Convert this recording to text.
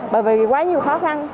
bởi vì quá nhiều khó khăn